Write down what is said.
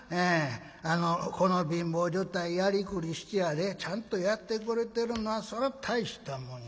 あのこの貧乏所帯やりくりしてやでちゃんとやってくれてるのはそら大したもんや。